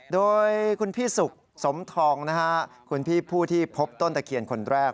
โดยคุณพี่สุขสมทองนะฮะคุณพี่ผู้ที่พบต้นตะเคียนคนแรก